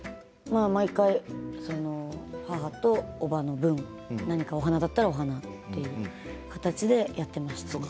毎回、母と伯母の分何かお花だったらお花という形でやってました。